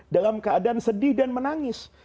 dalam keadaan sedih dan menangis